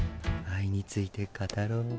愛について語ろう。